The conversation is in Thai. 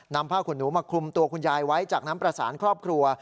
ผ้าขนหนูมาคลุมตัวคุณยายไว้จากนั้นประสานครอบครัว